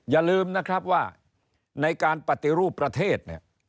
อย่าลืมนะครับว่าในการปฏิรูปประเทศเนี่ย